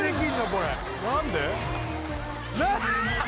これ何で？